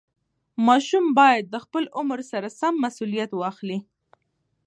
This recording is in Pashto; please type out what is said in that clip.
ماشوم باید د خپل عمر سره سم مسوولیت واخلي.